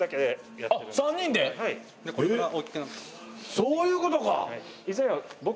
そういうことか！